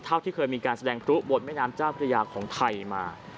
เท่าที่เคยมีการแสดงพลุบนแม่น้ำเจ้าพระยาของไทยมา